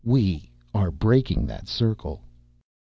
We are breaking that circle!"